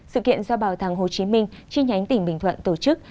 sự kiện do bảo tàng hồ chí minh chi nhánh tỉnh bình thuận tổ chức